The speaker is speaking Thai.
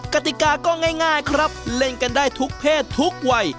กติกาก็ง่ายครับเล่นกันได้ทุกเพศทุกวัย